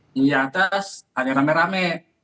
di atas hanya rame rame